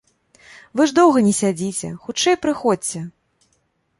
Вы ж доўга не сядзіце, хутчэй прыходзьце.